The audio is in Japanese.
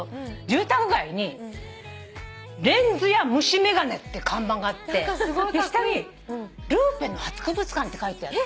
住宅街に「レンズ屋虫めがね」って看板があって下に「ルーペの博物館」って書いてある。